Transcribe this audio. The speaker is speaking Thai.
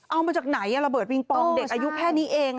เอามาจากไหนระเบิดปิงปองเด็กอายุแค่นี้เอง